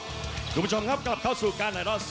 ขอบคุณผู้ชมครับกลับเข้าสู่การไหนรอดสดครับ